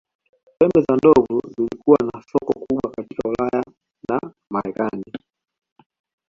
Pembe za ndovu zilizokuwa na soko kubwa katika Ulaya na Marekani